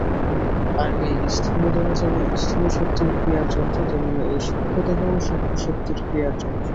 আর এই স্থূলদেহ যেমন স্থূলশক্তির ক্রিয়ার যন্ত্র, তেমনি এই সূক্ষ্মদেহও সূক্ষ্মশক্তির ক্রিয়ার যন্ত্র।